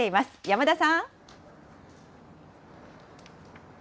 山田さん。